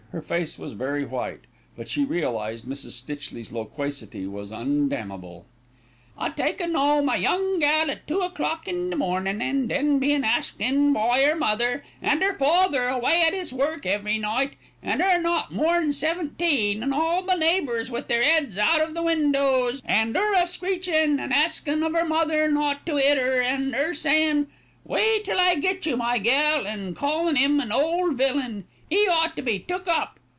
Her face was very white; but she realised Mrs. Stitchley's loquacity was undammable. "A takin' 'ome a young gal at two o'clock in the mornin', and then bein' asked in by 'er mother and 'er father away at 'is work every night and 'er not mor'n seventeen, and all the neighbours with their 'eads out of the windows, and 'er a screechin' and askin' of 'er mother not to 'it 'er, and 'er sayin' 'Wait 'till I get you, my gal,' and callin' 'im an ole villain. 'E ought to be took up.